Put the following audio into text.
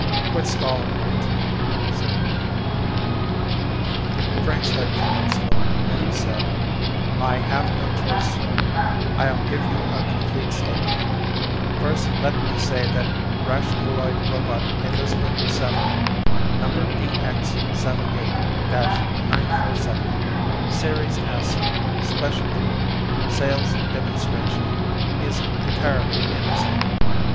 "Quit stalling, Nineteen," said Wynn. Frank's head came up slowly and he said: "I have no choice, sir. I'll give you a complete statement. First let me say that Rationaloid Robot Elizabeth Seven, #DX78 947, Series S, specialty: sales demonstration, is entirely innocent.